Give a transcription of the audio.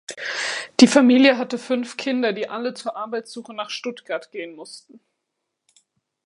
Die Familie hatte fünf Kinder, die alle zur Arbeitssuche nach Stuttgart gehen mussten.